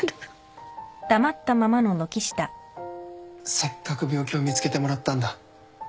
せっかく病気を見つけてもらったんだ